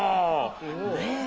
ねえ？